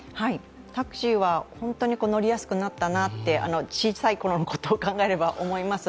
タクシーは本当に乗りやすくなったなって、小さい頃のことを考えれば思います。